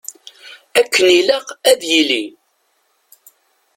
Akken i ilaq ad yili.